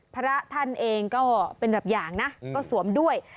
พระท่านเองก็เป็นแบบอย่างนะก็สวมด้วย